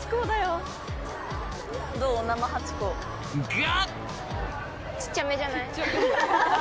が！